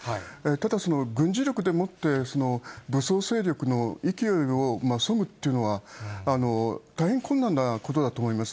ただ、軍事力でもって、武装勢力の勢いをそぐっていうのは、大変困難なことだと思います。